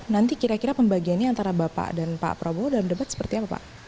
nanti kira kira pembagiannya antara bapak dan pak prabowo dalam debat seperti apa pak